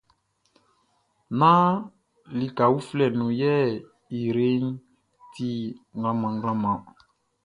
Nán lika uflɛ nun yɛ ijreʼn ti mlanmlanmlan ɔn.